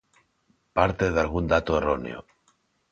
Parte dalgún dato erróneo.